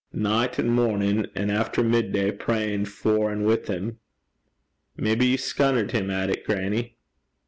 'Nicht an' mornin' an' aften midday prayin' for an' wi' him.' 'Maybe ye scunnert him at it, grannie.'